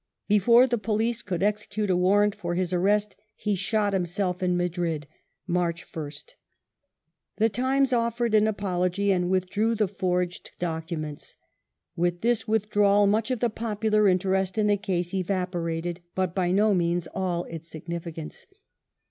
Before the police could execute a warrant for his arrest he shot himself in Matirid (March 1st). The Tim,e8 offered an apology and withdrew the forged i Until November, 1889. 1901] THE PARNELL COMMISSION 521 documents. With this withdrawal much of the popular interest in the case evaporated, but by no means all its significance.